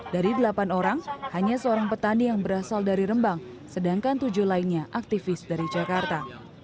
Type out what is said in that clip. dari delapan orang hanya seorang petani yang berasal dari rembang sedangkan tujuh lainnya aktivis dari jakarta